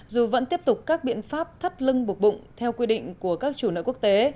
dù vẫn tiếp tục các biện pháp thắt lưng buộc bụng theo quy định của các chủ nợ quốc tế